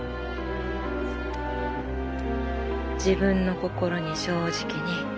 自分の心に正直に